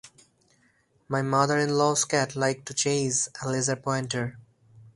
My mother-in-law's cat like to chase a laser pointer.